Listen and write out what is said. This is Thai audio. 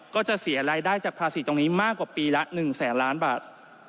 ก็จะเสียรายได้จากภาษีตรงนี้มากกว่าปีละ๑แสนล้านบาท